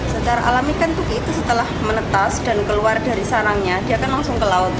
secara alami kan tukik itu setelah menetas dan keluar dari sarangnya dia kan langsung ke laut